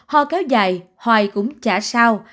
ho kéo dài hoài cũng chả sao